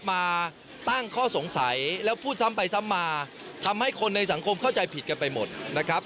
มาตั้งข้อสงสัยแล้วพูดซ้ำไปซ้ำมาทำให้คนในสังคมเข้าใจผิดกันไปหมดนะครับ